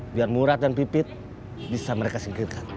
biar murah dan pipit bisa mereka singkirkan